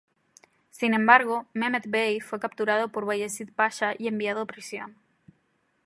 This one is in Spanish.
Sin embargo, Mehmet Bey fue capturado por Bayezid Pasha y enviado a prisión.